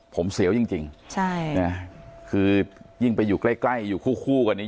ผมเสียวจริงจริงใช่นะคือยิ่งไปอยู่ใกล้ใกล้อยู่คู่คู่กันนี้